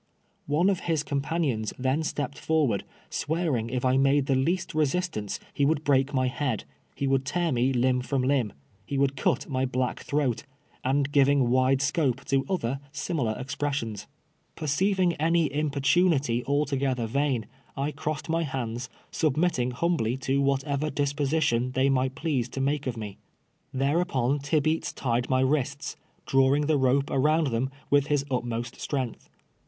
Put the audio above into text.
One of his companions then stepped forward, swear ing if I made the least resistance he would break my head — he would tear me limb from limb — he would cut my black throat — and giving wide scope to other similar expressions. Perceiving any importunity al together vain, I crossed my hands, submitting hum bly to whatever disposition they might please to make of me. Thereupon Tibeats tied my wrists, drawing the rope around them with his utmost strength.